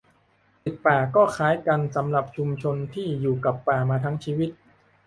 "ปิดป่า" ก็คล้ายกันสำหรับชุมชนที่อยู่กับป่ามาทั้งชีวิต